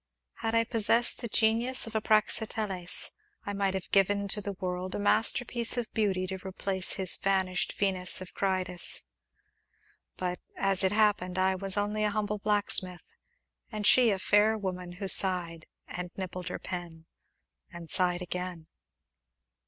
Had I possessed the genius of a Praxiteles I might have given to the world a masterpiece of beauty to replace his vanished Venus of Cnidus; but, as it happened, I was only a humble blacksmith, and she a fair woman who sighed, and nibbled her pen, and sighed again.